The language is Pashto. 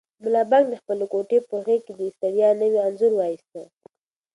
ملا بانګ د خپلې کوټې په غېږ کې د ستړیا نوی انځور وایست.